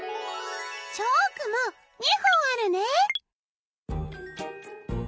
チョークも２ほんあるね。